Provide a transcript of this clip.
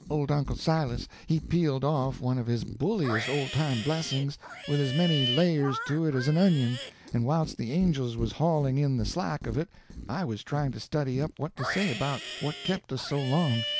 Old Uncle Silas he peeled off one of his bulliest old time blessings, with as many layers to it as an onion, and whilst the angels was hauling in the slack of it I was trying to study up what to say about what kept us so long.